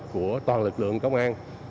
của toàn lực lượng công an